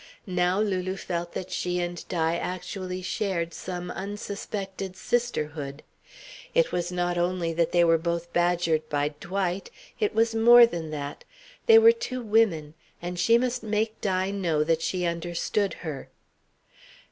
Now Lulu felt that she and Di actually shared some unsuspected sisterhood. It was not only that they were both badgered by Dwight. It was more than that. They were two women. And she must make Di know that she understood her.